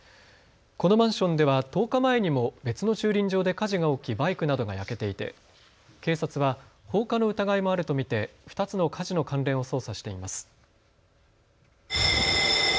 このマンションでは１０日前にも別の駐輪場で火事が起きバイクなどが焼けていて警察は放火の疑いもあると見て２つの火事の関連を捜査しています。